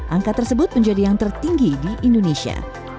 angka tersebut menjadi yang tertinggi di indonesia